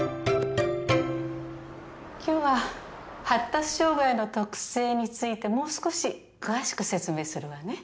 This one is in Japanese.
今日は発達障害の特性についてもう少し詳しく説明するわね。